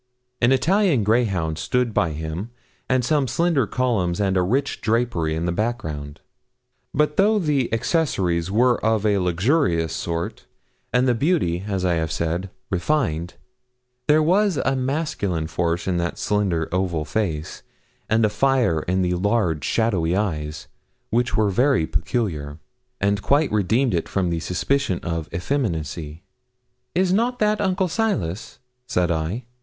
An Italian greyhound stood by him, and some slender columns and a rich drapery in the background. But though the accessories were of the luxurious sort, and the beauty, as I have said, refined, there was a masculine force in that slender oval face, and a fire in the large, shadowy eyes, which were very peculiar, and quite redeemed it from the suspicion of effeminacy. 'Is not that Uncle Silas?' said I.